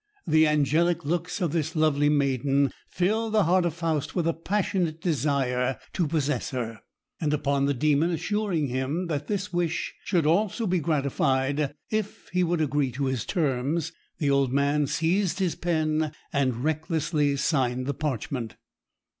The angelic looks of this lovely maiden filled the heart of Faust with a passionate desire to possess her, and upon the Demon assuring him that this wish should also be gratified if he would agree to his terms, the old man seized his pen and recklessly signed the parchment.